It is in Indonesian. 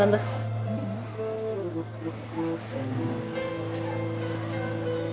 gak enak badan tante